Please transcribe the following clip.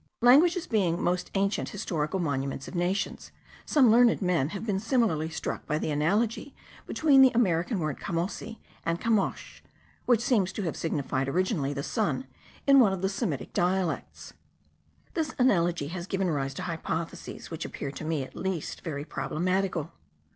Languages being the most ancient historical monuments of nations, some learned men have been singularly struck by the analogy between the American word camosi and camosch, which seems to have signified originally, the sun, in one of the Semitic dialects. This analogy has given rise to hypotheses which appear to me at least very problematical.